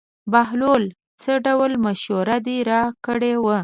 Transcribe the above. بهلوله څه ډول مشوره دې راکړې وه.